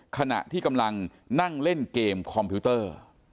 ขณะที่กำลังนั่งเล่นเกมคอมพิวเตอร์